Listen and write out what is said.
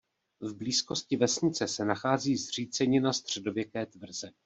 V blízkosti vesnice se nachází zřícenina středověké tvrze.